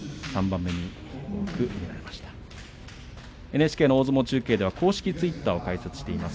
ＮＨＫ大相撲中継では公式ツイッターを開設しています。